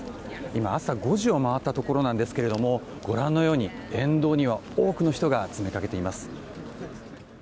今、朝５時を回ったところですがご覧のように、沿道には多くの人が詰めかけています。